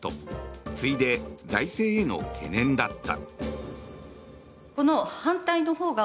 次いで財政への懸念だった。